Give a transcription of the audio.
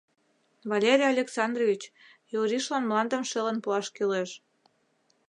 — Валерий Александрович, Юришлан мландым шелын пуаш кӱлеш.